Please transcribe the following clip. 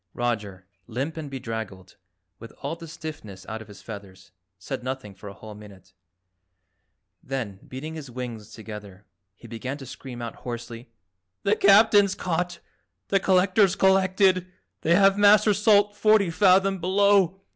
Roger, limp and bedraggled, with all the stiffness out of his feathers, said nothing for a whole minute. Then, beating his wings together, he began to scream out hoarsely, "The Captain's caught! The Collector's collected. They have Master Salt forty fathom below.